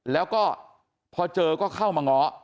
แล้วก็พอเจอก็เข้ามาง้อ